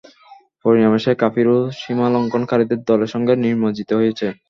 পরিণামে সে কাফির ও সীমালংঘন কারীদের দলের সঙ্গে নিমজ্জিত হয়েছে।